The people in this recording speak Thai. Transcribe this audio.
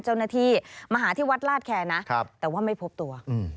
เจ้าหน้าที่มาหาที่วัดลาดแคร์นะแต่ว่าไม่พบตัว